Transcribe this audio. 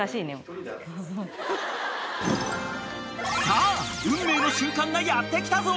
［さあ運命の瞬間がやって来たぞ］